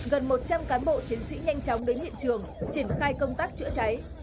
gần một trăm linh cán bộ chiến sĩ nhanh chóng đến hiện trường triển khai công tác chữa cháy